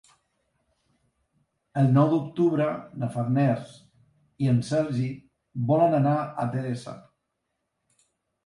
El nou d'octubre na Farners i en Sergi volen anar a Teresa.